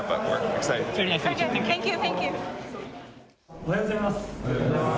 おはようございます。